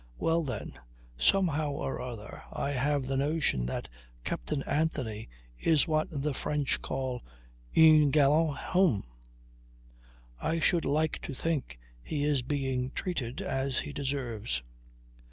"Well then, somehow or other I have the notion that Captain Anthony is what the French call un galant homme. I should like to think he is being treated as he deserves."